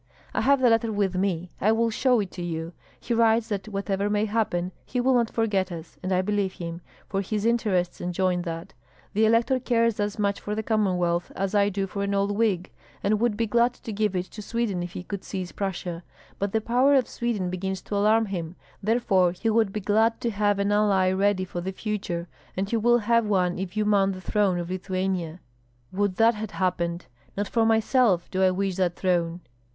"I have the letter with me; I will show it to you. He writes that whatever may happen he will not forget us; and I believe him, for his interests enjoin that. The elector cares as much for the Commonwealth as I do for an old wig, and would be glad to give it to Sweden if he could seize Prussia; but the power of Sweden begins to alarm him, therefore he would be glad to have an ally ready for the future; and he will have one if you mount the throne of Lithuania." "Would that had happened! Not for myself do I wish that throne!"